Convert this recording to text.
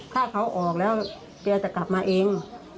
ถ้าเขาออกแล้วแกจะกลับมาเอง